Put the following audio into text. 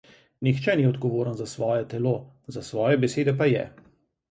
Nihče ni odgovoren za svoje telo, za svoje besede pa je.